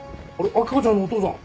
秋香ちゃんのお父さん。